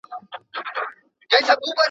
ګوندي د زړه په کوه طور کي مي موسی ووینم ,